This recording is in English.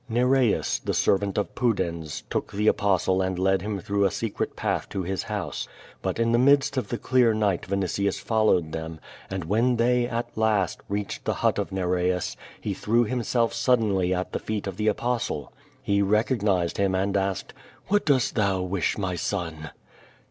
Nereus, the servant of Pudens, took the Apostle and led him through a secret path to his house. But in the midst of the clear night Vinitius followed them, and when they, at last, reached the hut of Nereus he threw himself suddenly at the feet of the Apostle. He recognized him and asked: "What dost thou wish, my son?"